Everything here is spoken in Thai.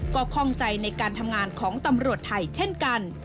ก็ข้องใจในการทำงานของตำรวจไทยเช่นกัน